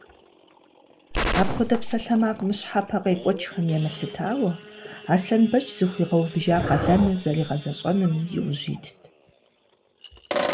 Апхуэдэ псалъэмакъ мыщхьэпэ къекӏуэкӏхэм емылъытауэ, Аслъэнбэч зыхуигъэувыжа къалэныр зэригъэзэщӏэным иужь итт.